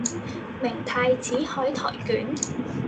明太子海苔捲